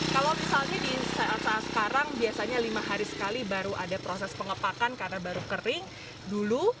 kalau misalnya di saat saat sekarang biasanya lima hari sekali baru ada proses pengepakan karena baru kering dulu